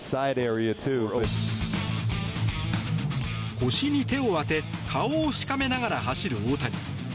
腰に手を当て顔をしかめながら走る大谷。